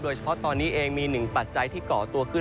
เฉพาะตอนนี้เองมีหนึ่งปัจจัยที่ก่อตัวขึ้น